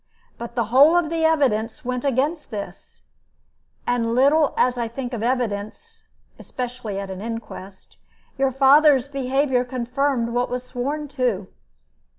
But the whole of the evidence went against this, and little as I think of evidence, especially at an inquest, your father's behavior confirmed what was sworn to.